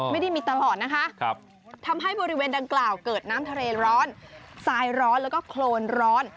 ไม่ได้มีตลอดนะคะทำให้บริเวณดังกล่าวเกิดน้ำทะเลร้อนทรายร้อนแล้วก็โครนร้อน